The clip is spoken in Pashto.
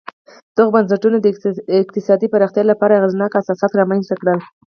دغو بنسټونو د اقتصادي پراختیا لپاره اغېزناک اساسات رامنځته کړل